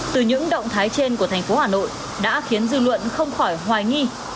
từ những động thái trên của thành phố hà nội đã khiến dư luận không khỏi hoài nghi